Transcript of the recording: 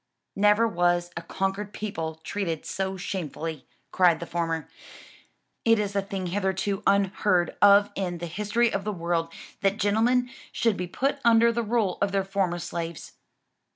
"Never was a conquered people treated so shamefully!" cried the former, "it is a thing hitherto unheard of in the history of the world, that gentlemen should be put under the rule of their former slaves."